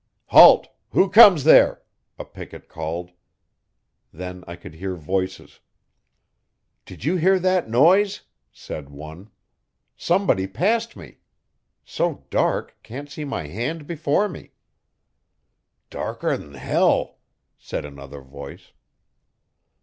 'Halt! Who comes there?' a picket called. Then I could hear voices. 'Did you hear that noise?' said one. 'Somebody passed me. So dark can't see my hand before me. 'Darker than hell!' said another voice.